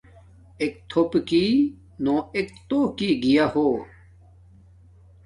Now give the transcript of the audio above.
ایک تھوپک نو ایک توک گیا۔ ہو